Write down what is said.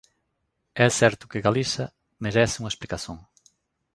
É certo que Galicia merece unha explicación.